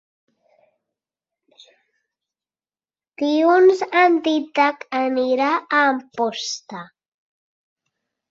Dilluns en Dídac anirà a Amposta.